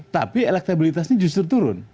tapi elektabilitasnya justru turun